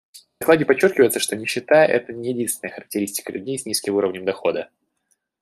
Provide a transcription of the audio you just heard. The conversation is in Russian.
В докладе подчеркивается, что нищета — это не единственная характеристика людей с низким уровнем дохода.